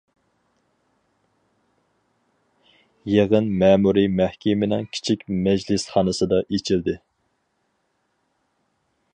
يىغىن مەمۇرىي مەھكىمىنىڭ كىچىك مەجلىسخانىسىدا ئېچىلدى.